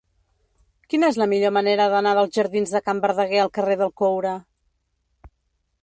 Quina és la millor manera d'anar dels jardins de Can Verdaguer al carrer del Coure?